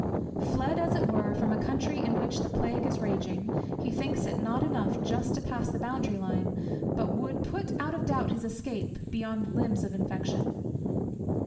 Fled as it were from a country in which the plague is raging, he thinks it not enough just to pass the boundary line, but would put out of doubt his escape beyond the limbs of infection.